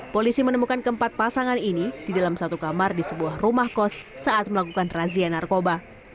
polisi menemukan keempat pasangan ini di dalam satu kamar di sebuah rumah kos saat melakukan razia narkoba